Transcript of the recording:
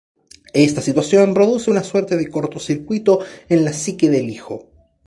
Esta situación produce una suerte de corto circuito en la psique del hijo.